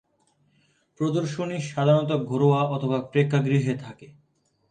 প্রদর্শনী সাধারণত ঘরোয়া অথবা প্রেক্ষাগৃহে থাকে।